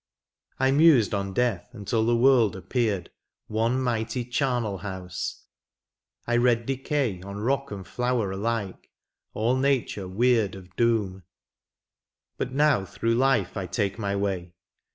I mused on death until the world appeared One mighty charnel house, I read decay On rock and flower alike, all nature weird Of doom, but now through life I take my way.